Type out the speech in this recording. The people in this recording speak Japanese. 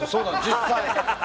実際。